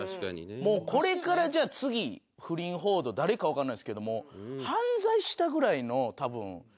これからじゃあ次不倫報道誰かわかんないですけども犯罪したぐらいの多分リスクになってきますよ